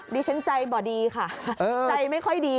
ดิฉันใจบ่อดีค่ะใจไม่ค่อยดี